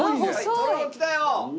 とろろきたよ！